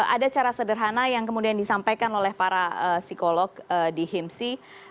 ada cara sederhana yang kemudian disampaikan oleh para psikolog di himsi